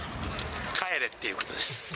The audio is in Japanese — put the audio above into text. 帰れっていうことです。